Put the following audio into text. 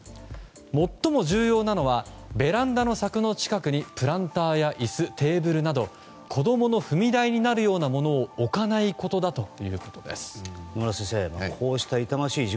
最も重要なのはベランダの柵の近くにプランターや椅子、テーブルなど子供の踏み台になるようなものを置かないことだということです。